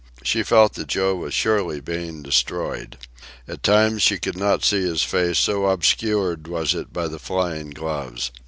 She felt that Joe was surely being destroyed. At times she could not see his face, so obscured was it by the flying gloves.